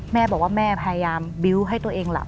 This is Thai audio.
แม่บอกว่าแม่พยายามบิ้วให้ตัวเองหลับ